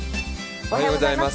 おはようございます。